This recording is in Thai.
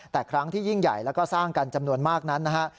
แต่ครั้งที่ยิ่งใหญ่แล้วก็สร้างกันจำนวนมากนั้นนะฮะ